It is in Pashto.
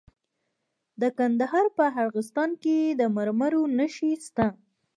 د کندهار په ارغستان کې د مرمرو نښې شته.